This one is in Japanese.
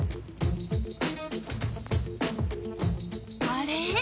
あれ？